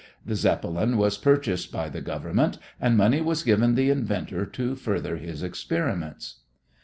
The Zeppelin was purchased by the government and money was given the inventor to further his experiments.